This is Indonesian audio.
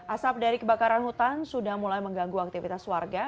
asap dari kebakaran hutan sudah mulai mengganggu aktivitas warga